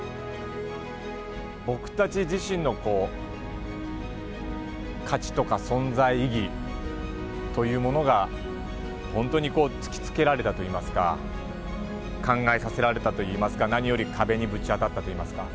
僕たち自身の価値とか存在意義というものが、本当に突きつけられたといいますか、考えさせられたといいますか、何より壁にぶち当たったといいますか。